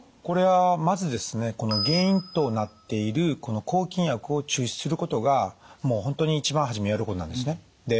これはまずですね原因となっている抗菌薬を中止することがもう本当に一番初めやることなんですね。